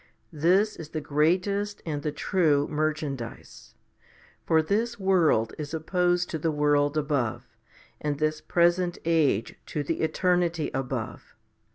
This is the greatest and the true merchandise. For this world is opposed to the world above, and this present age to the eternity above.